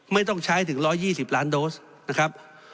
ไม่ต้องใช้ถึง๑๒๐ล้านโดสนะครับ